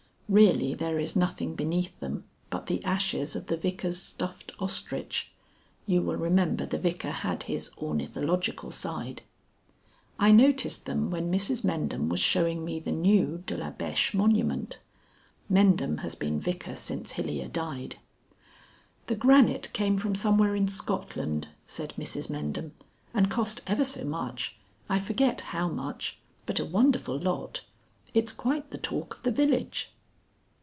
Really there is nothing beneath them but the ashes of the Vicar's stuffed ostrich. (You will remember the Vicar had his ornithological side.) I noticed them when Mrs Mendham was showing me the new De la Beche monument. (Mendham has been Vicar since Hilyer died.) "The granite came from somewhere in Scotland," said Mrs Mendham, "and cost ever so much I forget how much but a wonderful lot! It's quite the talk of the village."